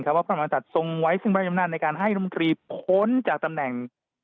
ว่าพระมหาศัตริย์ทรงไว้ซึ่งพระราชอำนาจในการให้รมตรีพ้นจากตำแหน่ง